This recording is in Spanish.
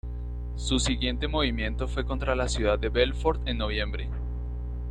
Su siguiente movimiento fue contra la ciudad de Belfort en noviembre.